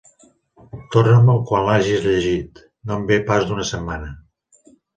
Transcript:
Torna-me'l quan l'hagis llegit, no em ve pas d'una setmana.